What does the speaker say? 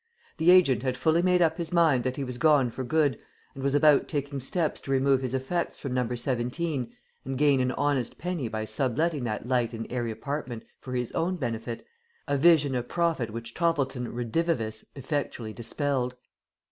The agent had fully made up his mind that he was gone for good, and was about taking steps to remove his effects from Number 17, and gain an honest penny by sub letting that light and airy apartment for his own benefit, a vision of profit which Toppleton redivivus effectually dispelled.